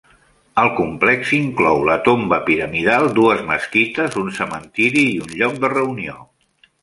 El complex inclou la tomba piramidal, dues mesquites, un cementiri i un lloc de reunió.